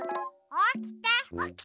おきて！